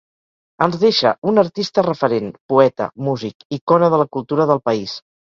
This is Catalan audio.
Ens deixa un artista referent, poeta, músic, icona de la cultura del país.